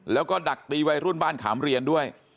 แล้วก็ดักตีวัยรุ่นบ้านขามเรียนด้วย